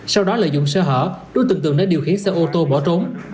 sau đó lợi dụng sơ hở đối tượng tường đã điều khiển xe ô tô bỏ trốn